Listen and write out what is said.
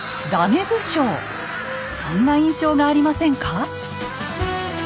そんな印象がありませんか？